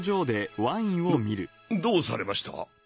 どどうされました？